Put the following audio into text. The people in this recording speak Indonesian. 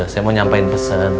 saya mau nyampein pesen